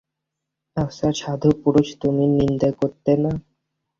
আচ্ছা সাধুপুরুষ, তুমি নিন্দে করতে না?